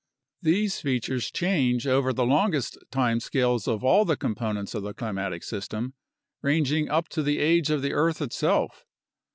These features change over the longest time scales of all the components of the climatic system, ranging up to the age of the earth itself.